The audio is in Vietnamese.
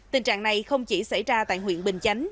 tình trạng này không chỉ xảy ra tại huyện bình chánh